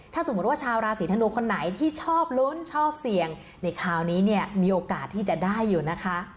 ถ้าสมมุติว่าชาวราศีธนูคนไหนที่ชอบลุ้นชอบเสี่ยงในคราวนี้เนี่ยมีโอกาสที่จะได้อยู่นะคะ